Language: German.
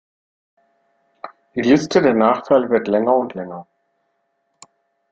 Die Liste der Nachteile wird länger und länger.